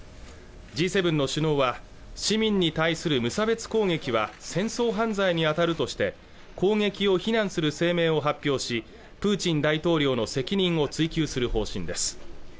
Ｇ７の首脳は市民に対する無差別攻撃は戦争犯罪にあたるとして攻撃を非難する声明を発表しプーチン大統領の責任を追及する方針です